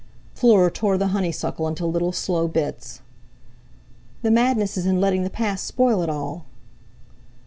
Fleur tore the honeysuckle into little, slow bits. "The madness is in letting the past spoil it all.